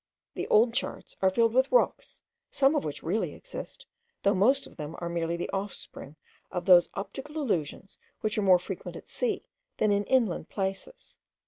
The old charts are filled with rocks, some of which really exist, though most of them are merely the offspring of those optical illusions which are more frequent at sea than in inland places.